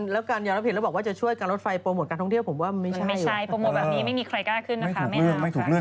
ทางอ้วระพิธรบอกว่าจะช่วยการลดไฟโปรโมทการทางที่